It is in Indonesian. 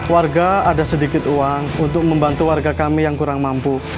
warga ada sedikit uang untuk membantu warga kami yang kurang mampu